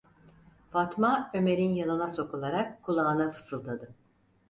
Fatma, Ömer’in yanına sokularak kulağına fısıldadı: